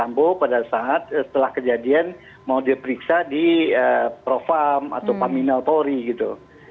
yang disampo pada saat setelah kejadian mau diperiksa di profam atau paminal tori gitu